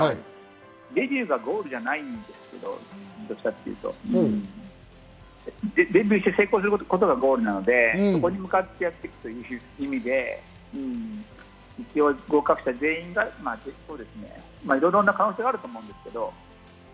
デビューがゴールじゃないんですけど、どっちかというと、デビューして成功することがゴールなので、そこに向かってやっていくという意味で合格者全員がいろいろな可能性があると思うんですけど。